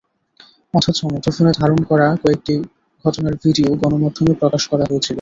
অথচ মুঠোফোনে ধারণ করা কয়েকটি ঘটনার ভিডিও গণমাধ্যমে প্রকাশ করা হয়েছিল।